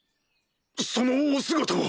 そのお姿は。